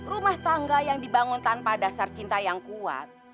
rumah tangga yang dibangun tanpa dasar cinta yang kuat